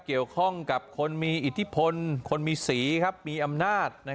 เกี่ยวข้องกับคนมีอิทธิพลคนมีสีมีอำนาจ